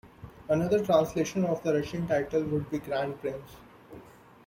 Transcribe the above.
Another translation of the Russian title would be grand prince.